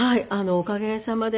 おかげさまで。